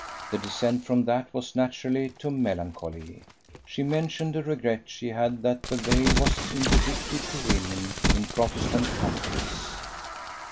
The descent from that was naturally to melancholy. She mentioned a regret she had that the Veil was interdicted to women in Protestant countries.